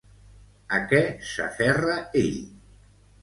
A què s'aferra ell?